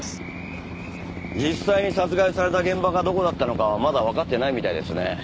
実際に殺害された現場がどこだったのかはまだわかってないみたいですね。